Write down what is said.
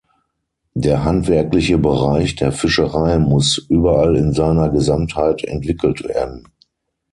Der handwerkliche Bereich der Fischerei muss überall in seiner Gesamtheit entwickelt werden.